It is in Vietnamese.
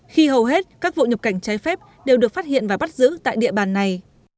khi hầu hết các vụ nhập cảnh trái phép đều được phát hiện và bắt giữ tại địa bàn này